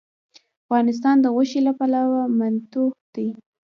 افغانستان د غوښې له پلوه متنوع دی.